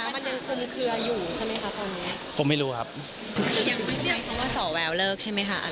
ผมไม่รู้ครับ